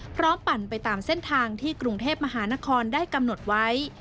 ปั่นไปตามเส้นทางที่กรุงเทพมหานครได้กำหนดไว้